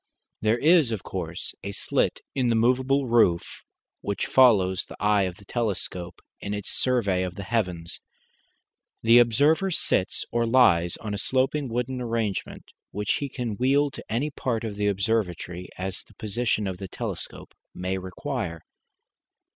There is, of course, a slit in the movable roof which follows the eye of the telescope in its survey of the heavens. The observer sits or lies on a sloping wooden arrangement, which he can wheel to any part of the observatory as the position of the telescope may require.